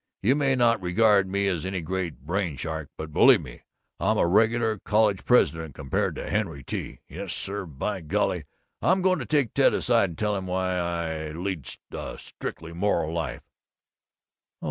You may not regard me as any great brain shark, but believe me, I'm a regular college president, compared with Henry T.! Yes sir, by golly, I'm going to take Ted aside and tell him why I lead a strictly moral life."